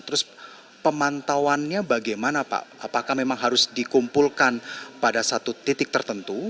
terus pemantauannya bagaimana pak apakah memang harus dikumpulkan pada satu titik tertentu